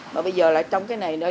mà bây giờ lại trong cái này đòi